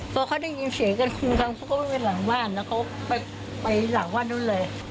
พอเขาได้ยินเสียงกันทุกคนก็ไปหลังว่านแล้วเขาไปหลังว่านนู้นเลย